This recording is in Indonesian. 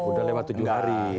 udah lewat tujuh hari